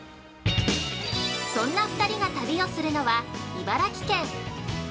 そんな２人が旅をするのは茨城県。